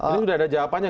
ini udah ada jawabannya